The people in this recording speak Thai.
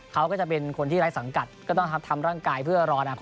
เขาก็จะเป็นคนที่ไร้สังกัดก็ต้องทำร่างกายเพื่อรออนาคต